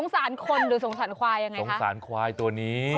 สงสารควายตัวนี้